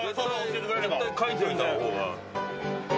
絶対書いておいたほうが。